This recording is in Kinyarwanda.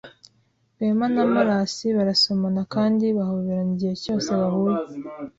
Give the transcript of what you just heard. Rwema na Morasi barasomana kandi bahoberana igihe cyose bahuye.